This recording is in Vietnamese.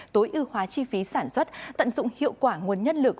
tối ưu hóa chi phí sản xuất tận dụng hiệu quả nguồn nhân lực